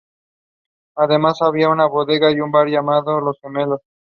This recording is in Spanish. Además, había una bodega y un bar llamado "Los Gemelos".